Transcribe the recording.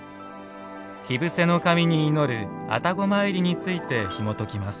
火伏せの神に祈る愛宕詣りについてひもときます。